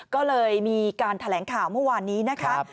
ก็เลยมีการแถลงข่าวเมื่อวานนี้นะคะ